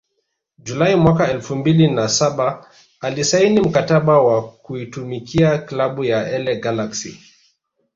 Julai mwaka elfu mbili na saba alisaini mkataba wa kuitumikia klabu ya La Galaxy